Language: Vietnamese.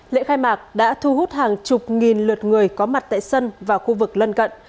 lễ khai mạc đã thu hút hàng chục nghìn lượt người có mặt tại sân và khu vực lân cận